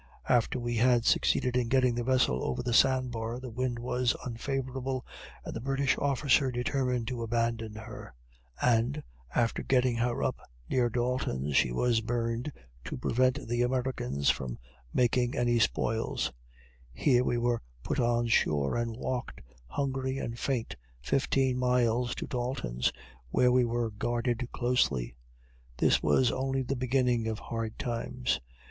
After we had succeeded in getting the vessel over the sandbar, the wind was unfavorable, and the British officer determined to abandon her, and (after getting her up near Dalton's she was burned to prevent the Americans from making any spoils,) here we were put on shore, and walked, hungry and faint, fifteen miles to Dalton's, where we were guarded closely. This was only the beginning of hard times.